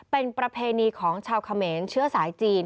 เป็นประเพณีของชาวเขมรเชื้อสายจีน